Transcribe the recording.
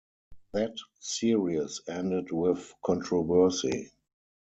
That series ended with controversy.